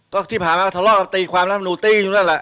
ก็ที่ผ่านมาก็ทะเลาะตีความรัฐมนูตี้อยู่นั่นแหละ